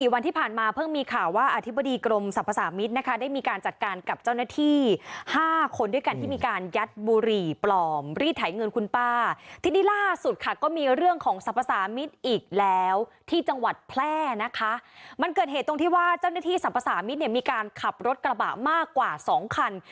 เพิ่งมีข่าวว่าอธิบดีกรมสรรพสามิตรนะคะได้มีการจัดการกับเจ้าหน้าที่๕คนด้วยกันที่มีการยัดบุหรี่ปลอมรีดไถเงินคุณป้าทีนี้ล่าสุดค่ะก็มีเรื่องของสรรพสามิตรอีกแล้วที่จังหวัดแพร่นะคะมันเกิดเหตุตรงที่ว่าเจ้าหน้าที่สรรพสามิตรเนี่ยมีการขับรถกระบะมากกว่า๒คัน